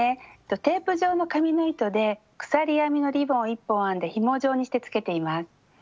テープ状の紙の糸で鎖編みのリボンを１本編んでひも状にしてつけています。